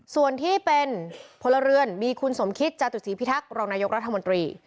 ส่วนที่เป็นพลเรือนมีคุณสมคิตจาตุศีพิทักษ์รองนายกรัฐมนตรี